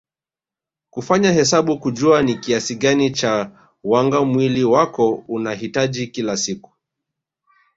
Kufanya hesabu kujua ni kiasi gani cha wanga mwili wako unahitaji kila siku